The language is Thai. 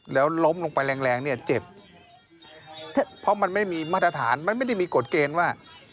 แล้วล้มลงไปแรงแรงเนี่ยเจ็บเพราะมันไม่มีมาตรฐานมันไม่ได้มีกฎเกณฑ์ว่า